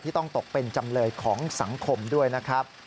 ต้องตกเป็นจำเลยของสังคมด้วยนะครับ